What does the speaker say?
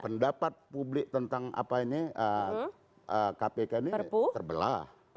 pendapat publik tentang apa ini kpk ini terbelah